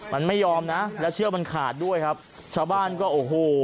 มันไม่ยอมนะแล้วเชือกมันขาดด้วยครับชาวบ้านก็โอ้โห